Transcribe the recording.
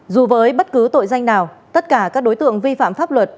dù với bất cứ tội danh nào tất cả các đối tượng vi phạm pháp luật